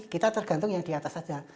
kita tergantung yang di atas saja